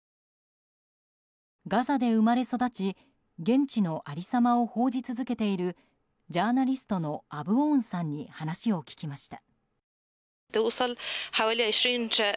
ガザで生まれ育ち現地のありさまを報じ続けているジャーナリストのアブォーンさんに話を聞きました。